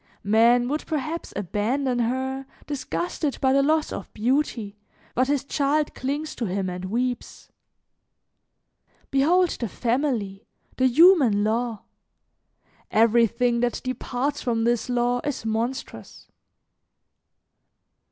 Man would perhaps abandon her, disgusted by the loss of beauty; but his child clings to him and weeps. Behold the family, the human law; everything that departs from this law is monstrous.